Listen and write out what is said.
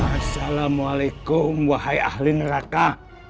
assalamualaikum wahai ahli neraka